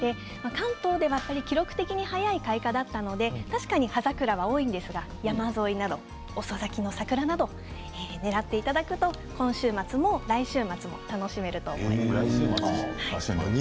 関東では記録的に早い開花だったので確かに葉桜が多いんですが山沿いなど遅咲きの桜などをねらっていただくと今週末も来週末も楽しめると思います。